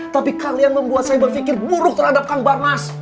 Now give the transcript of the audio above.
tapi kalian membuat saya berpikir buruk terhadap kang barnas